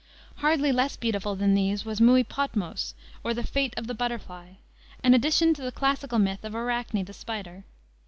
Hardly less beautiful than these was Muiopotmos; or, the Fate of the Butterfly, an addition to the classical myth of Arachne, the spider.